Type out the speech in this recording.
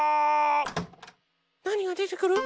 なにがでてくる？